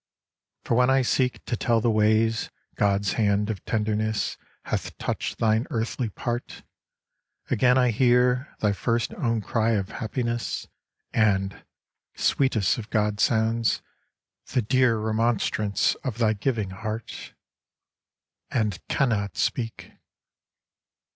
For when I seek To tell the ways God's hand of tenderness Hath touched thine earthly part, Again I hear Thy first own cry of happiness, And, sweetest of God's sounds, the dear Remonstrance of thy giving heart, And cannot speak!